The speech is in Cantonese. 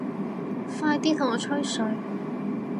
快啲同我吹水